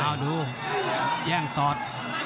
มาดูแย่งซอส